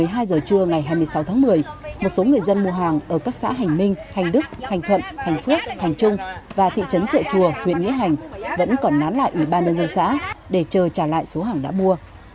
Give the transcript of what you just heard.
một mươi hai h trưa ngày hai mươi sáu tháng một mươi một số người dân mua hàng ở các xã hành minh thành đức thành thuận thành phước thành trung và thị trấn trợ chùa huyện nghĩa hành vẫn còn nán lại ủy ban nhân dân xã để chờ trả lại số hàng đã mua